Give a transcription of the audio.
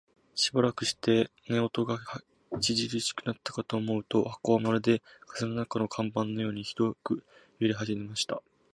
しばらくして、羽音が烈しくなったかと思うと、箱はまるで風の中の看板のようにひどく揺れだしました。